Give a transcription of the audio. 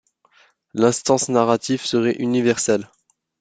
L'instance narrative serait universelle.